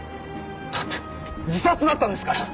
だって自殺だったんですから！